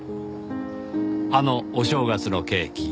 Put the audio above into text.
あのお正月のケーキ。